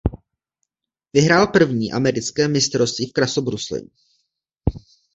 Vyhrál první americké mistrovství v krasobruslení.